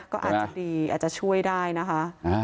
ก็อาจจะดีอาจจะช่วยได้นะคะ